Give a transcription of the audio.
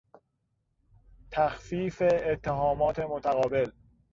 تخفیف اتهامات متقابل